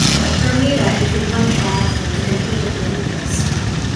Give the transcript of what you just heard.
Bermuda entered one triathlete to compete at the Olympics.